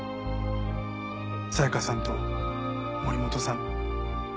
紗香さんと森本さん